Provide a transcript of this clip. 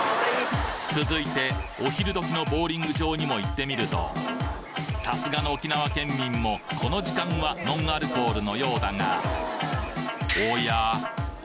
続いてお昼時のボウリング場にも行ってみるとさすがの沖縄県民もこの時間はノンアルコールのようだがおや？